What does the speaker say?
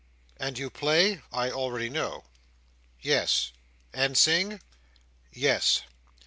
"And you play, I already know." "Yes." "And sing?" "Yes."